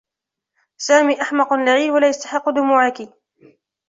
سامي أحمق لعين و لا يستحقّ دموعكِ.